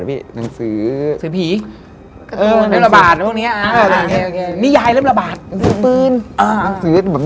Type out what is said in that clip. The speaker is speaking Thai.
อ๋อเรื่องเรือบาท